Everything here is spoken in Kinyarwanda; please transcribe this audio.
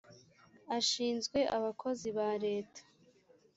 ashinzwe abakozi ba leta .